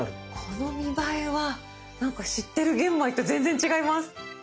この見栄えは知ってる玄米と全然違います。